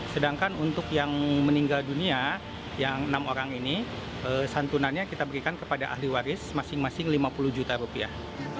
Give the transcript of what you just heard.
sedangkan untuk yang meninggal dunia yang enam orang ini santunannya kita berikan kepada ahli waris masing masing lima puluh juta rupiah